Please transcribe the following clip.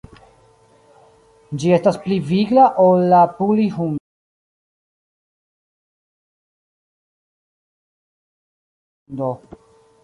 Ĝi estas pli vigla ol la puli-hundo.